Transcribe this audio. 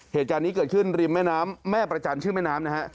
เหตุการณ์นี้เกิดขึ้นริมแม่น้ำแม่ประจันชื่อแม่น้ำนะฮะ